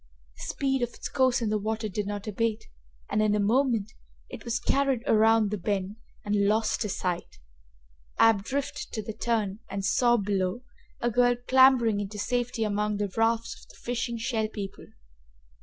The speed of its course in the water did not abate and, in a moment, it was carried around the bend, and lost to sight. Ab drifted to the turn and saw, below, a girl clambering into safety among the rafts of the fishing Shell People.